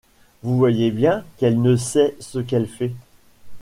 Vous voyez bien qu’elle ne sait ce qu’elle fait.